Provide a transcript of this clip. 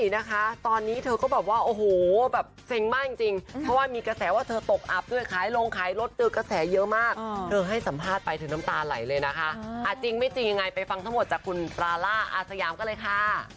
นะคะตอนนี้เธอก็แบบว่าโอ้โหแบบเซ็งมากจริงเพราะว่ามีกระแสว่าเธอตกอับด้วยขายลงขายรถเจอกระแสเยอะมากเธอให้สัมภาษณ์ไปเธอน้ำตาไหลเลยนะคะจริงไม่จริงยังไงไปฟังทั้งหมดจากคุณปราล่าอาสยามกันเลยค่ะ